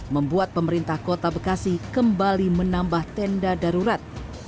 membuat pemerintah kota bekasi kembali menambah tenda darurat